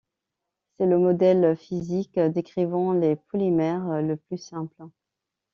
C'est le modèle physique décrivant les polymères le plus simple.